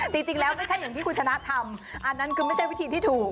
จริงแล้วไม่ใช่อย่างที่คุณชนะทำอันนั้นคือไม่ใช่วิธีที่ถูก